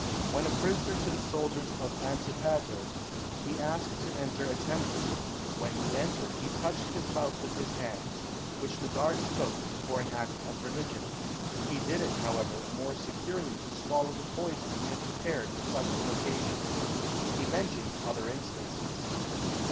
When a prisoner to the soldiers of Antipater, he asked to enter a temple. When he entered, he touched his mouth with his hands, which the guards took for an act of religion. He did it, however, more securely to swallow the poison he had prepared for such an occasion. He mentions other instances.